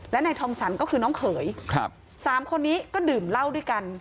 และนายทองสรรก็คือน้องเขยครับสามคนนี้ก็ดื่มเหล้าด้วยกัน